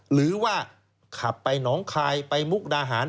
หรือว่าขับไปหนองคายไปมุกดาหาร